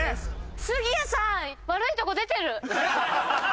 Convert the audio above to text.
杉谷さん悪いとこ出てる。